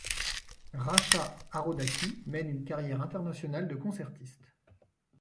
Racha Arodaky mène une carrière internationale de concertiste.